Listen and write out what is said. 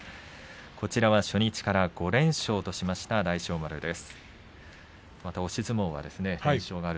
こちらは初日から５連勝としました大翔丸です。